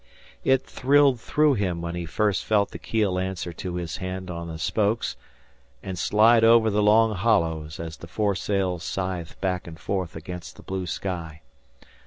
It thrilled through him when he first felt the keel answer to his band on the spokes and slide over the long hollows as the foresail scythed back and forth against the blue sky.